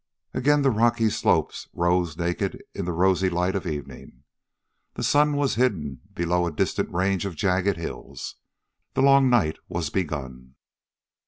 Again the rocky slopes rose naked in the rosy light of evening. The sun was hidden below a distant range of jagged hills. The long night was begun.